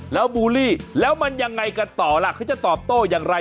แล้วบูลลี่แล้วมันยังไงกันต่อล่ะเขาจะตอบโต้อย่างไร